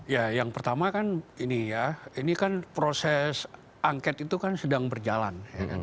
ya yang pertama kan ini ya ini kan proses angket itu kan sedang berjalan